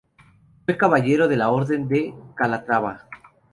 Fue caballero de la Orden de Calatrava.